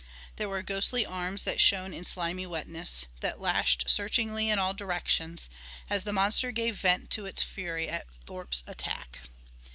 There were ghostly arms that shone in slimy wetness, that lashed searchingly in all directions, as the monster gave vent to its fury at Thorpe's attack.